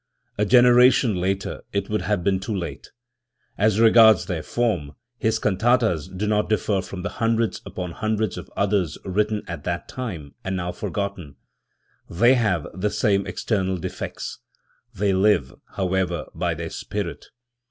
A generation later it would have been too late. As regards their form, his can tatas do not differ from the hundreds upon hundreds of others written at that time, and now forgotten, They have the same external defects; they live, however, by their spirit.